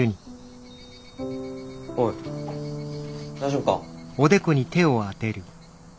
おい大丈夫か？